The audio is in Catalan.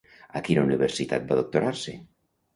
A quina universitat va doctorar-se?